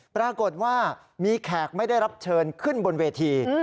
ปรากฏว่ามีแขกไม่ได้รับเชิญขึ้นบนเวที